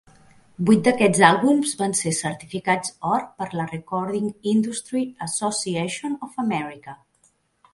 Vuit d'aquests àlbums van ser certificats or per la Recording Industry Association of America.